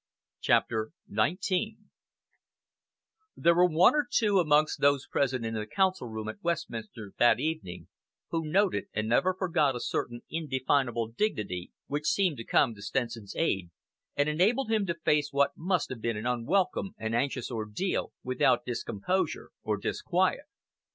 CHAPTER XIX There were one or two amongst those present in the Council room at Westminster that evening, who noted and never forgot a certain indefinable dignity which seemed to come to Stenson's aid and enabled him to face what must have been an unwelcome and anxious ordeal without discomposure or disquiet.